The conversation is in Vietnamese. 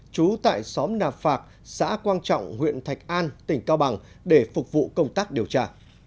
trú tại xóm nà phạc xã quang trọng huyện thạch an tỉnh cao bằng để phục vụ công tác điều tra